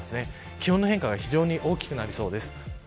気温の変化が非常に大きくなりそうです。